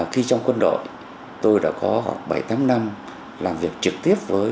khi trong quân đội tôi đã có khoảng bảy tám năm làm việc trực tiếp với